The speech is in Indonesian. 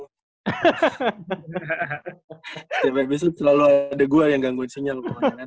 setiap hari besok selalu ada gue yang gangguan sinyal